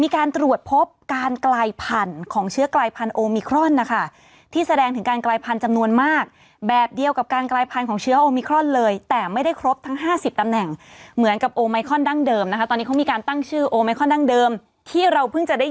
ก็น่าจะนี่เนี่ยภาวะหูดอกกระหล่ำเนี่ยนะฮะ